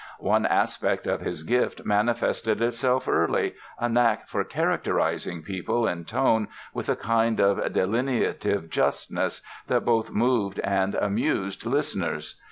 One aspect of his gift manifested itself early—a knack for "characterizing" people in tone with a kind of delineative justness that both moved and amused listeners.